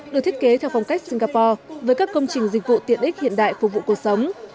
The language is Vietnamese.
được thiết kế theo phong cách singapore với các công trình dịch vụ tiện ích hiện đại phục vụ cuộc sống